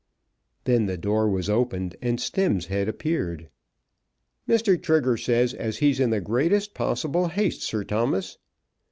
Then the door was opened, and Stemm's head appeared. "Mr. Trigger says as he's in the greatest possible haste, Sir Thomas."